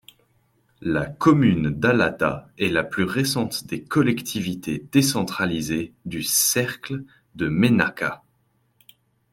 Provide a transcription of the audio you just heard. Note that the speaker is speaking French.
La commune d'Alata est la plus récente des collectivités décentralisées du cercle de Ménaka.